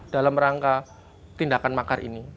dalam rangka tindakan makar ini